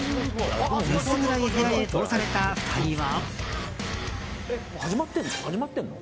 薄暗い部屋へ通された２人は。